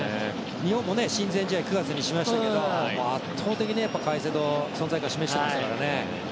日本とも親善試合が９月にありましたけども圧倒的にカイセドは存在感を示してましたからね。